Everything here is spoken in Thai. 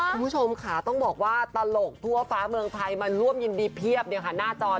คุณผู้ชมค่ะต้องบอกว่าตลกทั่วฟ้าเมืองไทยมันร่วมยินดีเพียบเนี่ยค่ะหน้าจอเลยค่ะ